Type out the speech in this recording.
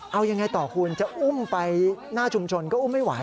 เอายังไงต่อคุณจะอุ้มไปหน้าชุมชนก็อุ้มไม่ไหว